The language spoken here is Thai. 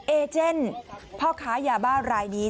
เอเจนพ่อค้ายาบ้ารายนี้